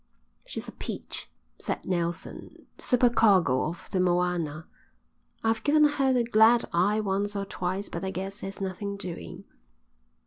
"She's a peach," said Nelson, the supercargo of the Moana. "I've given her the glad eye once or twice, but I guess there's nothing doing."